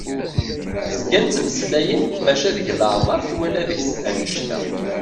Zgan ttmeslayen maca deg leɛmer twala deg-s annect-a.